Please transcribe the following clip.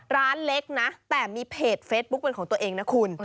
ร้านเล็กนะแต่มีเพจเฟซบุ๊คเป็นของตัวเองนะคุณ